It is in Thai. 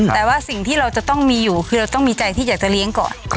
แต่ว่าสิ่งที่เราจะต้องมีอยู่คือเราต้องมีใจที่อยากจะเลี้ยงก่อน